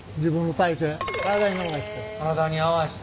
体に合わして。